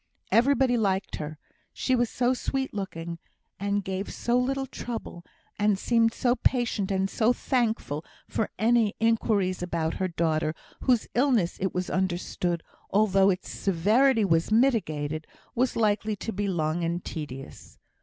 Everybody liked her, she was so sweet looking, and gave so little trouble, and seemed so patient, and so thankful for any inquiries about her daughter, whose illness, it was understood, although its severity was mitigated, was likely to be long and tedious.